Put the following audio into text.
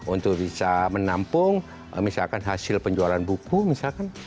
untuk bisa menampung misalkan hasil penjualan buku misalkan